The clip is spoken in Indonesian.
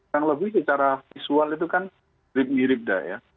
yang lebih secara visual itu kan mirip mirip dah ya